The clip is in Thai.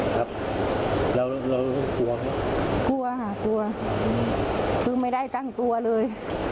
อ๋อครับแล้วเราก็กลัวค่ะกลัวค่ะกลัวคือไม่ได้ตั้งตัวเลย